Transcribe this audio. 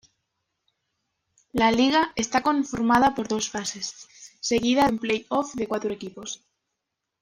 La liga está conformada por dos fases, seguida de un playoff de cuatro equipos.